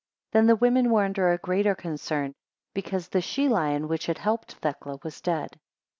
5 Then the women were under a greater concern, because the she lion, which had helped Thecla, was dead.